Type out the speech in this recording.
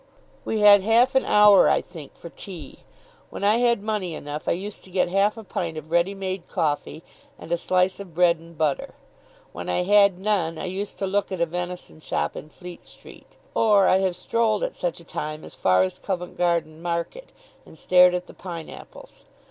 We had half an hour, I think, for tea. When I had money enough, I used to get half a pint of ready made coffee and a slice of bread and butter. When I had none, I used to look at a venison shop in Fleet Street; or I have strolled, at such a time, as far as Covent Garden Market, and stared at the pineapples.